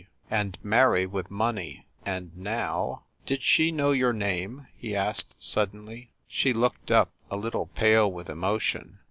and marry with money, and now "Did she know your name?" he asked suddenly. She looked up, a little pale with emotion.